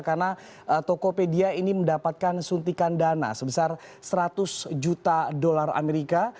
karena tokopedia ini mendapatkan suntikan dana sebesar seratus juta dolar amerika